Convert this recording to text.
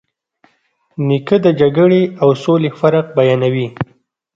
نیکه د جګړې او سولې فرق بیانوي.